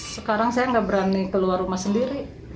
sekarang saya nggak berani keluar rumah sendiri